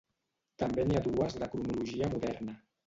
També n'hi ha dues de cronologia moderna.